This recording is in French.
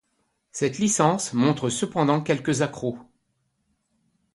Cette licence montre cependant quelques accrocs.